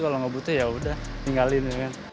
kalau nggak butuh ya udah tinggalin